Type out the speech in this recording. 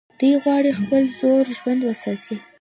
دوی غواړي خپل زوړ ژوند وساتي.